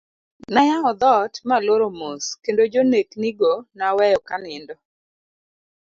Nayawo dhoot ma aloro mos ,kendo jonek ni go naweyo kanindo.